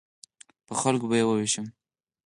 په خلکو به یې ووېشم.